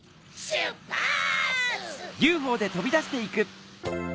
しゅっぱつ！